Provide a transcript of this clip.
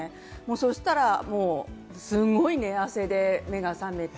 そしたら、すごい寝汗で目が覚めて、